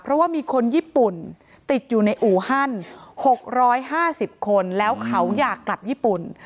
เพราะว่ามีคนญี่ปุ่นติดอยู่ในอู่ฮัน๖๕๐คนแล้วเขาอยากกลับญี่ปุ่น